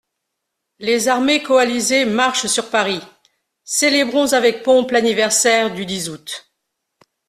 Les armées coalisées marchent sur Paris : célébrons avec pompe l'anniversaire du dix août.